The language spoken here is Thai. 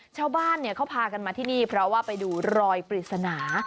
ชาวบ้านเขาพากันมาที่นี่เพราะว่าไปดูรอยปริศนา